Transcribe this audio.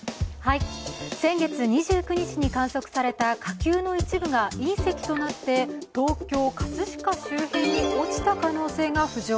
先月２９日に観測された火球の一部が隕石となって東京・葛飾周辺に落ちた可能性が浮上。